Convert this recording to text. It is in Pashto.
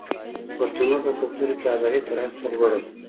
د پښتنو په کلتور کې ازادي تر هر څه لوړه ده.